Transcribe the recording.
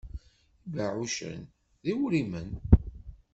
Ibeɛɛucen d uwrimen.